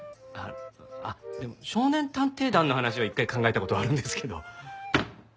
あっ少年探偵団の話を一回考えた事はあるんですけど。